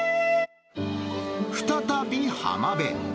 再び、浜辺。